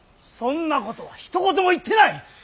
そんなことはひと言も言ってない！